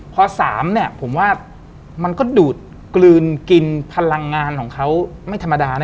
พอ๓เนี่ยผมว่ามันก็ดูดกลืนกินพลังงานของเขาไม่ธรรมดานะ